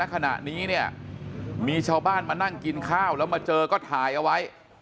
ขณะนี้เนี่ยมีชาวบ้านมานั่งกินข้าวแล้วมาเจอก็ถ่ายเอาไว้